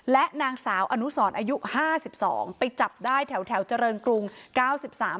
และนางสาวอนุสรอายุห้าสิบสองไปจับได้แถวแถวเจริญกรุงเก้าสิบสาม